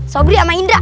sobri sama indra